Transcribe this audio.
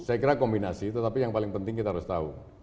saya kira kombinasi tetapi yang paling penting kita harus tahu